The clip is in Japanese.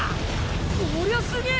⁉こりゃすげぇ。